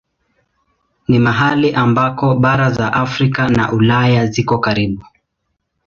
Ni mahali ambako bara za Afrika na Ulaya ziko karibu.